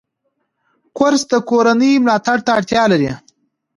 کورس د کورنۍ ملاتړ ته اړتیا لري.